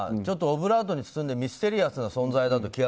ちょっとオブラートに包んでミステリアスな存在だと。